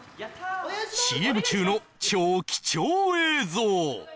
ＣＭ中の超貴重映像